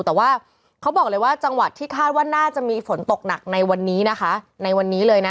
แต่ว่าเค้าบอกเลยว่าจังหวัดที่คาดว่าน่าจะมีฝนตกหนักในวันนี้นะคะ